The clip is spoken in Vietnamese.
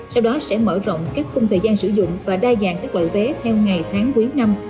sau đó sẽ mở rộng các khung thời gian sử dụng và đa dạng các loại vé theo ngày tháng cuối năm